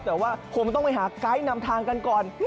แต่ว่าคงต้องไปหาไกด์นำทางกันก่อน